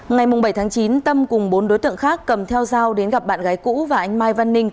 ngày bảy chín tâm cùng bốn đối tượng khác cầm theo dao đến gặp bạn gái cũ và anh mai văn ninh